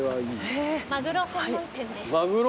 マグロ専門店です。